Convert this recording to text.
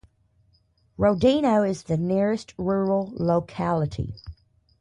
Rodino is the nearest rural locality.